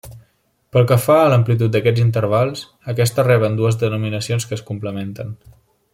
Pel que fa a l'amplitud d'aquests intervals, aquests reben dues denominacions que es complementen.